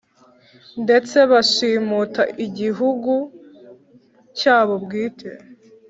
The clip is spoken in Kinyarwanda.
Ndetse bashimuta igihugu cyabo bwite